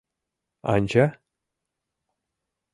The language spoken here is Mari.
— Анча?